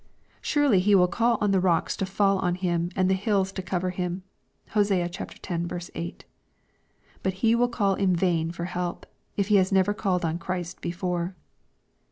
— Surely he will call on the rocks to fall on him and on the hills to cover him. (Hosea x. 8.) But he will call in vain for help, if he has never called on Christ before.